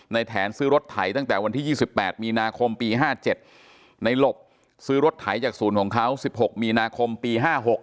แถนซื้อรถไถตั้งแต่วันที่๒๘มีนาคมปี๕๗ในหลบซื้อรถไถจากศูนย์ของเขา๑๖มีนาคมปี๕๖